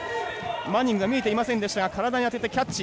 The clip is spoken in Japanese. マニングが見えていませんでしたが体に当ててキャッチ。